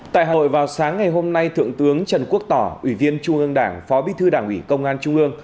tại hội vào sáng ngày hôm nay thượng tướng trần quốc tỏ ủy viên trung ương đảng phó bí thư đảng ủy công an trung ương